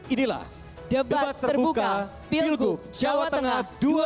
inilah debat terbuka pilgub jawa tengah dua ribu delapan belas